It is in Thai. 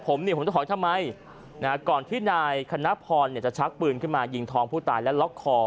ผมเนี่ยผมจะถอยทำไมก่อนที่นายคณะพรจะชักปืนขึ้นมายิงทองผู้ตายและล็อกคอ